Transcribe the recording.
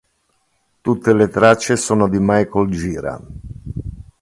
Tutte le tracce sono di Michael Gira.